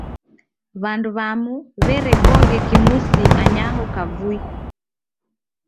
W'andu w'amu w'erekoghe kimusi anyaho kavui.